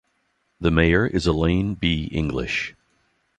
The mayor is Elaine B. English.